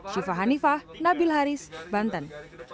syifa hanifah nabil haris banten